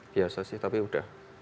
biasa sih tapi udah